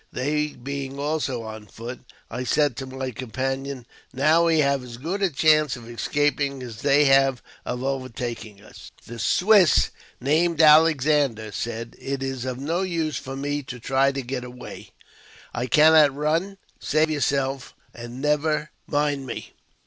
They being also on foot, I said to my companion, " Now we have as good a chance of escaping as they have of overtaking us." The Swiss (named Alexander) said, " It is of no use for me to try to get away : I cannot run ; save yourself and never mind me."